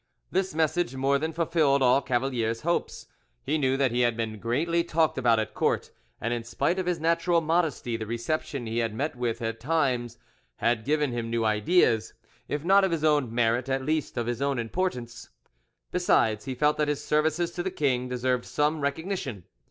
This message more than fulfilled all Cavalier's hopes: he knew that he had been greatly talked about at court, and in spite of his natural modesty the reception he had met with at Times had given him new ideas, if not of his own merit, at least of his own importance. Besides, he felt that his services to the king deserved some recognition.